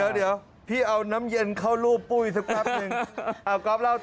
เดี๋ยวพี่เอาน้ำเย็นเข้ารูปปุ้ยสักแป๊บหนึ่ง